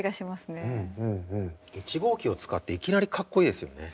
１号機を使っていきなりかっこいいですよね。